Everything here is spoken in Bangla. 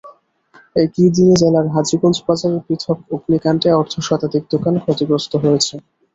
একই দিন জেলার হাজীগঞ্জ বাজারে পৃথক অগ্নিকাণ্ডে অর্ধশতাধিক দোকান ক্ষতিগ্রস্ত হয়েছে।